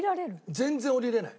全然下りられない。